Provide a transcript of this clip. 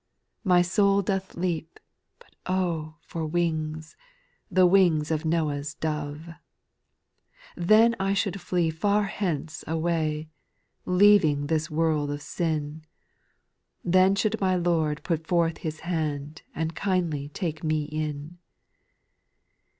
My soul doth leap, but, oh I for wings, The wings of Noah's dove. 8. Then should I flee far hence away, Leaving this world of sin ; Then should my Lord put forth His hand And kindly take me in.